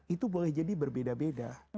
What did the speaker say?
itu boleh jadi berbeda beda